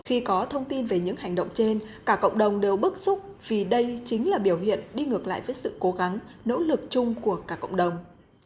khi có thông tin về những hành động trên cả cộng đồng đều bức xúc vì đây chính là biểu hiện đi ngược lại với sự cố gắng nỗ lực chung của cả cộng đồng